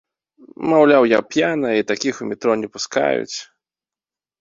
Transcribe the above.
Маўляў, я п'яная, і такіх у метро не пускаюць.